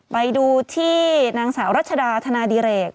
ไปดูที่นางสาวรัชดาธนาดิเรก